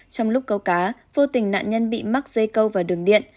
trong lúc câu cá vô tình nạn nhân bị mắc dây câu và đường điện